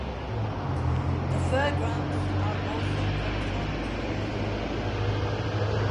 The fairgrounds are also rented out during the year.